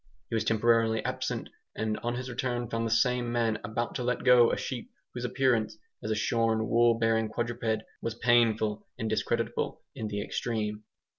He was temporarily absent, and on his return found the same man about to let go a sheep whose appearance, as a shorn wool bearing quadruped, was painful and discreditable in the extreme.